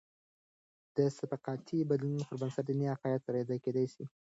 د ثقافتي بدلونونو پربنسټ، د دیني عقاید سره یوځای کیدل کېدي سي.